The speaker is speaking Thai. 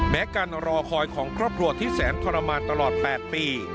การรอคอยของครอบครัวที่แสนทรมานตลอด๘ปี